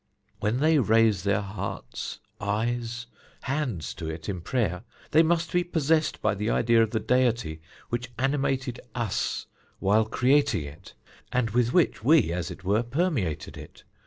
When they raise their hearts, eyes, hands to it in prayer, they must be possessed by the idea of the deity which animated us while creating it, and with which we, as it were, permeated it.